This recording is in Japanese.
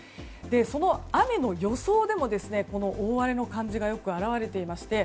その雨の予想でも大荒れの感じがよく表れていまして